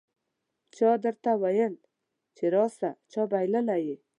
چا درته وویل چې راسه ؟ چا بللی یې